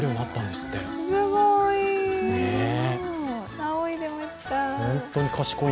すごい！